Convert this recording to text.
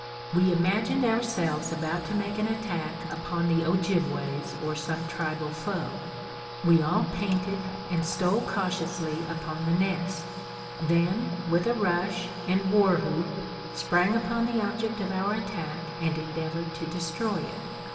We imagined ourselves about to make an attack upon the Ojibways or some tribal foe. We all painted and stole cautiously upon the nest; then, with a rush and war whoop, sprang upon the object of our attack and endeavored to destroy it.